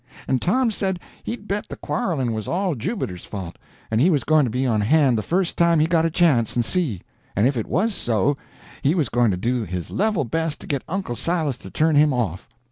And Tom said he'd bet the quarreling was all Jubiter's fault, and he was going to be on hand the first time he got a chance, and see; and if it was so, he was going to do his level best to get Uncle Silas to turn him off.